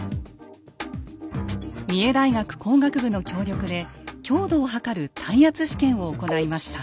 三重大学工学部の協力で強度を測る耐圧試験を行いました。